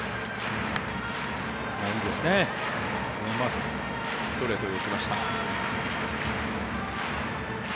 ストレートに行きました。